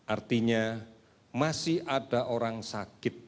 artinya masih ada orang sakit